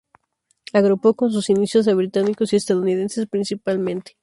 Agrupó en sus inicios a británicos y estadounidenses, principalmente.